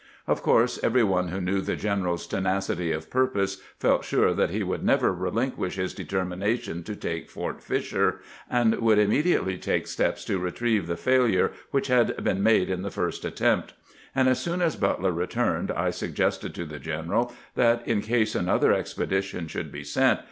Of course every one who knew the general's tenacity of purpose felt sure that he would never relin 367 368 CAMPAIGNING WITH GRANT quish. his determination to take Fort Fisher, and would immediately take steps to retrieve the failure which had been made in the first attempt ; and as soon as Butler returned I suggested to the general that, in case another expedition should be sent.